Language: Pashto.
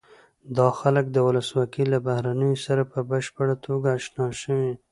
دا خلک د ولسواکۍ له بهیرونو سره په بشپړه توګه اشنا شوي.